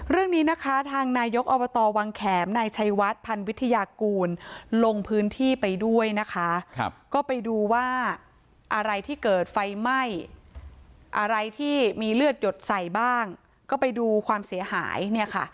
เรื่องนี้นะคะทางนายกอบตวังแขมนายชัยวัดพันวิทยากูลลงพื้นที่ไปด้วยนะคะก็ไปดูว่าอะไรที่เกิดไฟไหม้อะไรที่มีเลือดหยดใส่บ้างก็ไปดูความเสียหายเนี่ยค่ะ